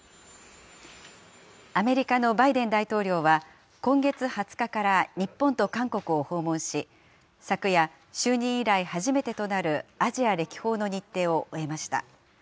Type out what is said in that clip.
アメリカのバイデン大統領は、今月２０日から日本と韓国を訪問し、昨夜、就任以来初めてとなるアジア歴訪の日程を終えました。